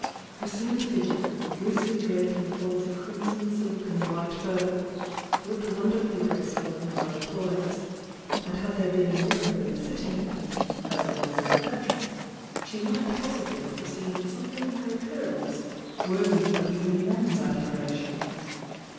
Her shm figure, loosely draped in the folds of crimson silk and white fur, looked wonder fully graceful and well poised, aiKl had there been a mirror in the sitting room, as there was in the bedroom, she might possibly have seen something m her appearance worthy of even men's admiration.